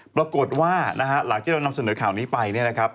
ปรากฏว่าหลังที่เรานำเสนอข่าวนี้ไป